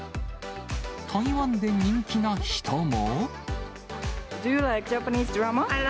台湾で人気な人も。